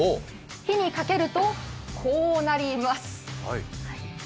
火にかけると、こうなります。